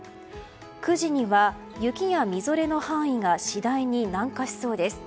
９時には雪やみぞれの範囲が次第に南下しそうです。